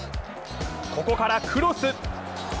ここからクロス。